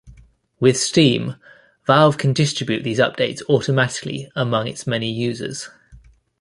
With Steam, Valve can distribute these updates automatically among its many users.